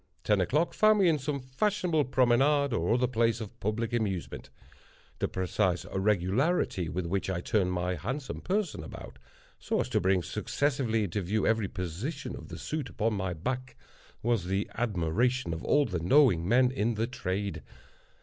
Ten o'clock found me in some fashionable promenade or other place of public amusement. The precise regularity with which I turned my handsome person about, so as to bring successively into view every portion of the suit upon my back, was the admiration of all the knowing men in the trade.